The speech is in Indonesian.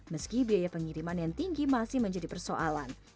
meski biaya pengiriman yang tinggi masih menjadi persoalan